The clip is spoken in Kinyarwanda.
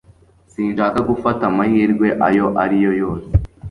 Sinshaka gufata amahirwe ayo ari yo yose